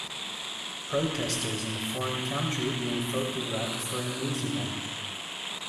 Protesters in a foreign country being photographed for a news event.